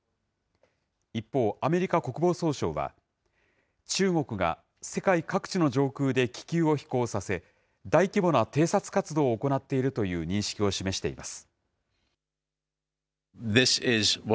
一方、アメリカ国防総省は、中国が世界各地の上空で気球を飛行させ、大規模な偵察活動を行っているという認識を示しています。